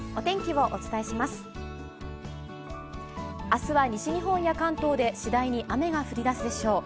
あすは西日本や関東で、次第に雨が降りだすでしょう。